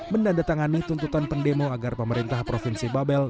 menandatangani tuntutan pendemo agar pemerintah provinsi babel